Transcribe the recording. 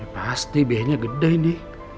pasti biayanya gede indi